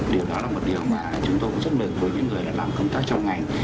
điều đó là một điều mà chúng tôi cũng rất mừng với những người làm công tác trong ngành